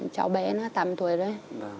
cháu bé nó tám tuổi rồi